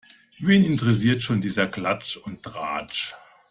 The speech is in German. Wen interessiert schon dieser Klatsch und Tratsch?